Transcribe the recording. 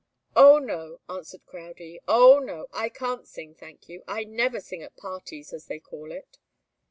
"Oh, no!" answered Crowdie. "Oh, no! I can't sing, thank you. I never sing at parties as they call it."